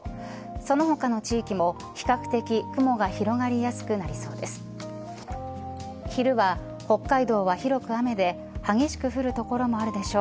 その他の地域も比較的雲が広がりやすくなりそうです。